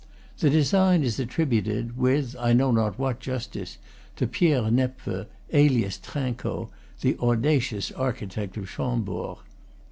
The design is attributed, with I know not what justice, to Pierre Nepveu, alias Trinqueau, the audacious architect of Chambord.